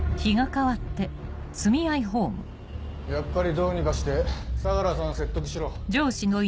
やっぱりどうにかして相良さん説得しろ。